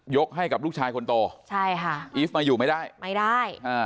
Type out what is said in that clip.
ให้กับลูกชายคนโตใช่ค่ะอีฟมาอยู่ไม่ได้ไม่ได้อ่า